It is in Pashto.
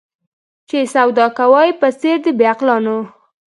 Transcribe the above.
چي سودا کوې په څېر د بې عقلانو